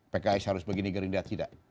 pks harus begini gerindra tidak